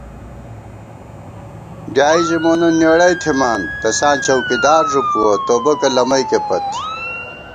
ڈیائے ژِی مونہ نېڑئی تھِمان ، تساں چوکیدار ݫُوپُوَہ توبَکہ لمئېکے پت